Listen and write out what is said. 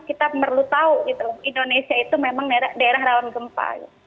kita perlu tahu indonesia itu memang daerah rawan gempa